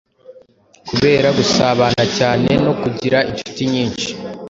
kubera gusabana cyane no kugira inshuti nyinshi